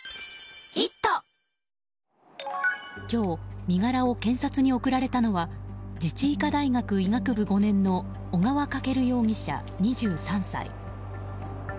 今日、身柄を検察に送られたのは自治医科大学医学部５年の小川翔容疑者、２３歳。